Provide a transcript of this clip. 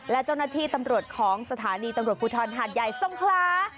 และเจ้าหน้าที่ตำรวจของสถานีตำรวจภูทรหาดใหญ่ทรงคลา